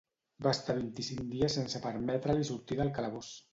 Va estar vint-i-cinc dies sense permetre-li sortir del calabós.